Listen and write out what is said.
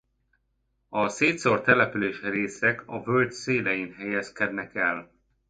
A szétszórt településrészek a völgy szélein helyezkednek el.